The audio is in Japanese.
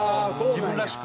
自分らしく？